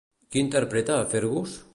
Qui interpreta a Fergus?